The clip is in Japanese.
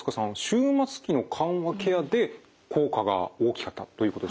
終末期の緩和ケアで効果が大きかったということですね？